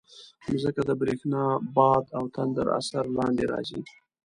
مځکه د برېښنا، باد او تندر اثر لاندې راځي.